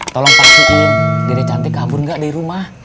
tolong pastiin dedeh cantik kabur nggak dari rumah